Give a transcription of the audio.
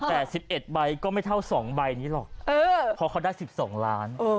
แต่๑๑ใบก็ไม่เท่า๒ใบนี้หรอกเพราะเขาได้๑๒ล้าน